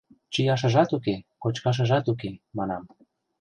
Чияшыжат уке, кочкашыжат уке, — манам.